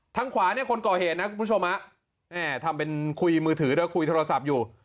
ทางขวาเนี่ยคนก่อเหตุนะคุณผู้ชมทำเป็นคุยมือถือด้วยคุยโทรศัพท์อยู่